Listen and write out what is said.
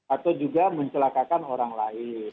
atau juga mencelakakan orang lain